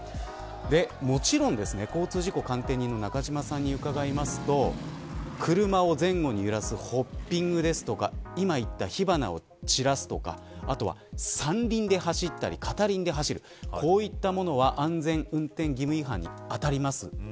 もちろん交通事故鑑定人の中島さんに伺うと車を前後に揺らすホッピングや今のような火花を散らすとか３輪で走ったり、片輪で走るこういったものは安全運転義務違反に当たります。